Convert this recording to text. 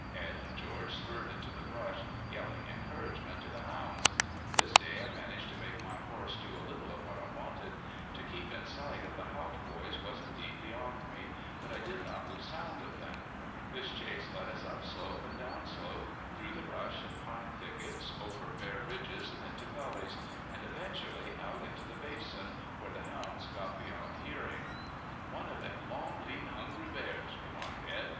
Edd and George spurred into the brush, yelling encouragement to the hounds. This day I managed to make my horse do a little of what I wanted. To keep in sight of the Haught boys was indeed beyond me; but I did not lose sound of them. This chase led us up slope and down slope, through the brush and pine thickets, over bare ridges and into gullies; and eventually out into the basin, where the hounds got beyond hearing. "One of them long, lean, hungry bears," remarked Edd.